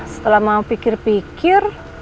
setelah mau pikir pikir